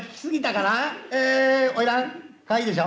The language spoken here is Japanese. かわいいでしょ。